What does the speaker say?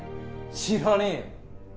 知らねえよ